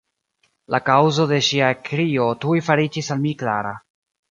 La kaŭzo de ŝia ekkrio tuj fariĝis al mi klara.